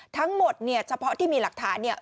ทั้งหมดเนี่ยเฉพาะที่มีหลักฐานเนี่ย